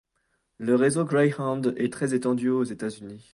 Le réseau Greyhound est très étendu aux États-Unis.